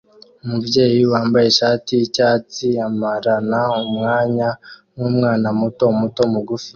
Umubyeyi wambaye ishati yicyatsi amarana umwanya numwana muto muto mugufi